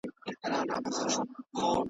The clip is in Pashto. هر فرمان به دي راغلی له اسمان وي .